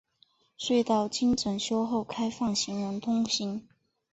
隧道经整修后开放行人通行。